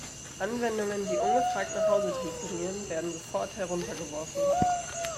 Anwendungen, die ungefragt nach Hause telefonieren, werden sofort heruntergeworfen.